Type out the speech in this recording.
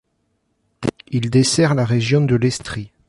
Il dessert la région de l'Estrie.